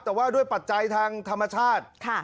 แต่ว่าด้วยปัจจัยทางธรรมชาติ